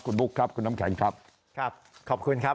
คุณบุ๊คครับคุณน้ำแข็งครับครับขอบคุณครับ